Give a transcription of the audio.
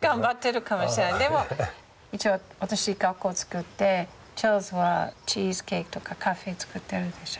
でも私学校を作ってチャールズはチーズケーキとかカフェ作ってるでしょ。